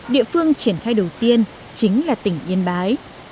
địa phương triển khai đầu tiên chính là tỉnh yên bái